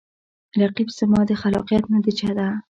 رقیب زما د خلاقیت نتیجه ده